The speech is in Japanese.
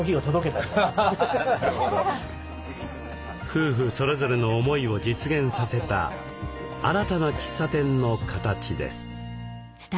夫婦それぞれの思いを実現させた新たな喫茶店の形です。